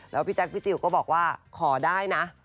แล้วพี่แจ๊คพี่จิลก็บอกว่าขอได้นะ